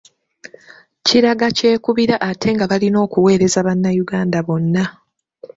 Kiraga kyekubiira ate nga balina okuweereza bannayuganda bonna.